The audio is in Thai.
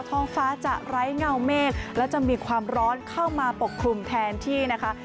ท้องฟ้าจะไร้เงาเมฆและจะมีความร้อนเข้ามาปกคลุมแทนที่นะคะ